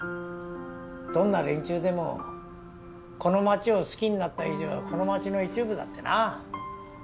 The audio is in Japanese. どんな連中でもこの街を好きになった以上はこの街の一部だってな。